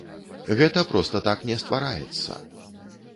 Гэта проста так не ствараецца.